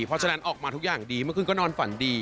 เพราะฉะนั้นออกมาทุกอย่างดีเมื่อคืนก็นอนฝันดี